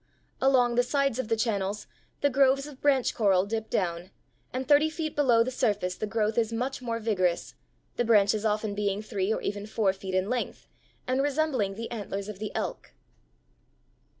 Along the sides of the channels the groves of branch coral (Fig. 33) dip down, and thirty feet below the surface the growth is much more vigorous, the branches often being three or even four feet in length, and resembling the antlers of the elk.